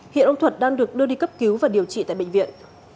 hiện ông thuật đang được đưa đi cấp cứu và điều trị tại bệnh viện